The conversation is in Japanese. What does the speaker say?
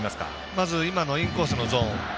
まず今のインコースのゾーン。